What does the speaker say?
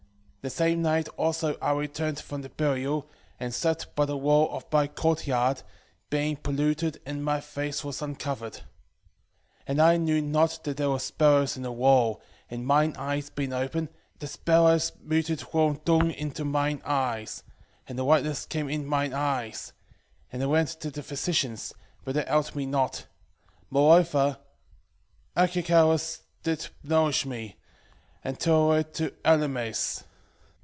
2:9 The same night also I returned from the burial, and slept by the wall of my courtyard, being polluted and my face was uncovered: 2:10 And I knew not that there were sparrows in the wall, and mine eyes being open, the sparrows muted warm dung into mine eyes, and a whiteness came in mine eyes: and I went to the physicians, but they helped me not: moreover Achiacharus did nourish me, until I went into Elymais.